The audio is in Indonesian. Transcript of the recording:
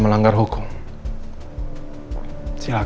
tidak tahu apa yang terjadi